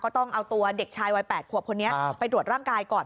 ต้องเอาตัวเด็กชายวัย๘ขวบคนนี้ไปตรวจร่างกายก่อน